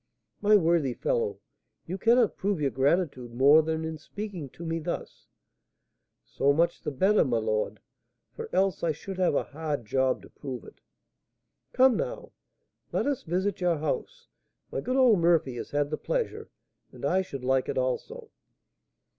"My worthy fellow, you cannot prove your gratitude more than in speaking to me thus." "So much the better, my lord; for else I should have a hard job to prove it." "Come, now, let us visit your house; my good old Murphy has had the pleasure, and I should like it also."